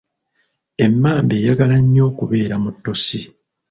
Emmamba eyagala nnyo okubeera mu ttosi.